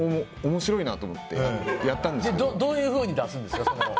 面白いなと思ってどういうふうに出すんですか。